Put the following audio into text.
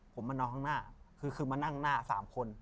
ผมมานอนข้างหน้าคือมานั่งหน้า๓คน